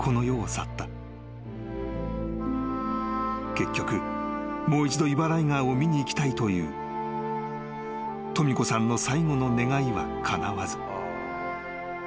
［結局もう一度イバライガーを見に行きたいというとみ子さんの最後の願いはかなわず］